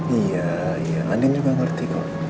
iya andin juga ngerti kok